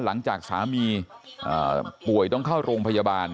หลังจากสามีป่วยต้องเข้าโรงพยาบาล